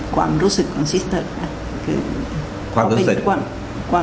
ความรู้สึกของสิสเตอร์ครับ